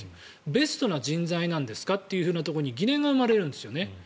ベストな人材なんですかという疑念が生まれるんです。